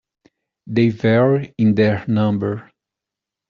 They vary in their number.